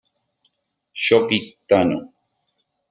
Sho Kitano